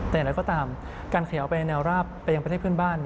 แต่อย่างไรก็ตามการขยายออกไปแนวราบไปยังประเทศเพื่อนบ้าน